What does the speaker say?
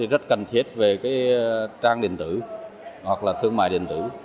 rất cần thiết về trang điện tử hoặc là thương mại điện tử